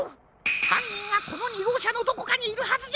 はんにんがこの２ごうしゃのどこかにいるはずじゃ！